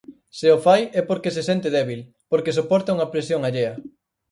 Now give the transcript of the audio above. Se o fai é porque se sente débil, porque soporta unha presión allea.